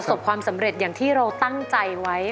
บความสำเร็จอย่างที่เราตั้งใจไว้